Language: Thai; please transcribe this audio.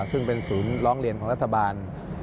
ซึ่งเป็นศูนย์ร้องเรียนของรัฐบาล